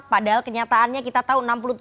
padahal kenyataannya kita tahu